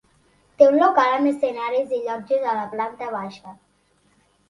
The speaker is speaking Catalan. Té un local amb escenaris i llotges a la planta baixa.